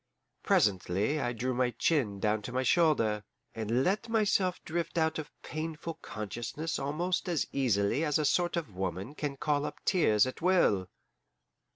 Presently I drew my chin down to my shoulder, and let myself drift out of painful consciousness almost as easily as a sort of woman can call up tears at will.